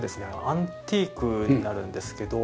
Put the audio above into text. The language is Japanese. アンティークになるんですけど。